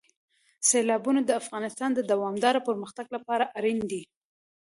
سیلابونه د افغانستان د دوامداره پرمختګ لپاره اړین دي.